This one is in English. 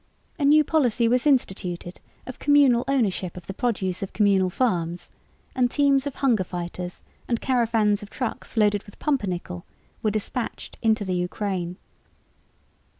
A new policy was instituted of communal ownership of the produce of communal farms, and teams of hunger fighters and caravans of trucks loaded with pumpernickel were dispatched into the Ukraine.